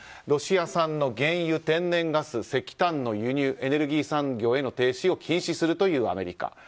ロシア産の原油、天然ガス石炭の輸入エネルギー産業への投資を禁止するというアメリカ。